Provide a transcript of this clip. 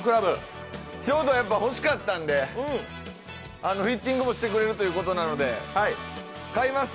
ちょうど欲しかったんでフィッティングもしてくれるということなので、買います。